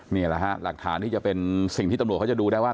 นี่แหละฮะหลักฐานที่จะเป็นสิ่งที่ตำรวจเขาจะดูได้ว่า